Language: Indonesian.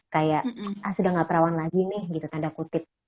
kayak ah sudah gak perawan lagi nih tanda kutip